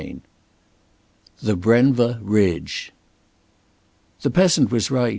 CHAPTER XXIV THE BRENVA RIDGE The peasant was right.